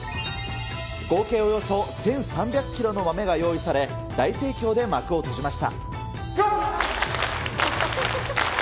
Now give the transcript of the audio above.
合計およそ１３００キロの豆が用意され、大盛況で幕を閉じました。